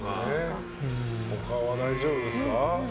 他は大丈夫ですか。